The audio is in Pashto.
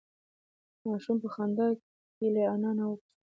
ماشوم په خندا کې له انا نه وپوښتل.